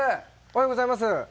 おはようございます。